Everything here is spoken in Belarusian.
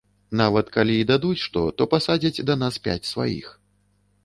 Нават калі і дадуць што, то пасадзяць да нас пяць сваіх.